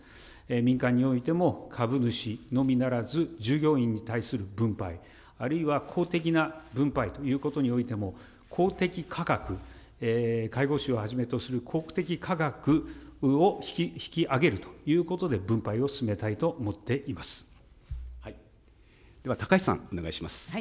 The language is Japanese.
民間においても株主のみならず従業員に対する分配、あるいは公的な分配ということにおいても、公的価格、介護士をはじめとする公的価格を引き上げるということで、では高市さん、お願いします。